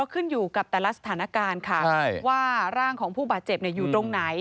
ขึ้นอยู่กับแต่ละสถานการณ์ค่ะว่าร่างของผู้บาดเจ็บอยู่ตรงไหน